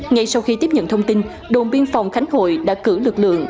ngay sau khi tiếp nhận thông tin đồn biên phòng khánh hội đã cử lực lượng